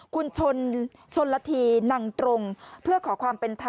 เซฟหลวงปู่แสง